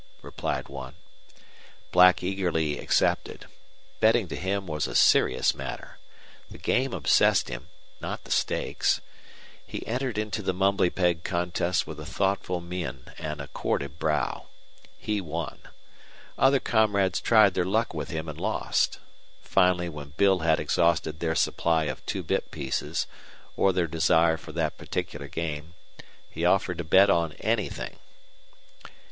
replied one. Black eagerly accepted. Betting to him was a serious matter. The game obsessed him, not the stakes. He entered into the mumbly peg contest with a thoughtful mien and a corded brow. He won. Other comrades tried their luck with him and lost. Finally, when Bill had exhausted their supply of two bit pieces or their desire for that particular game, he offered to bet on anything.